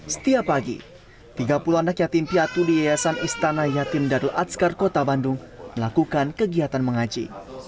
setiap pagi tiga puluh anak yatim piatu di yayasan istana yatim darul adzkar kota bandung melakukan kegiatan mengaji